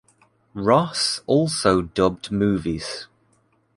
Ross also dubbed movies.